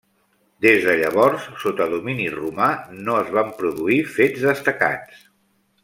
Des de llavors, sota domini romà, no es van produir fets destacats.